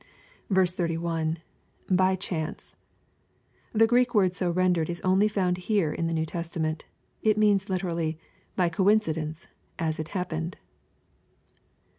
31. — \By chance.] The Greek word so rendered is only found hero in the New Testament. It means literally, " by coincidence, — aa it happened."